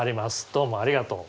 どうもありがとう。